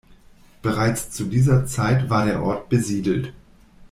Bereits zu dieser Zeit war der Ort besiedelt.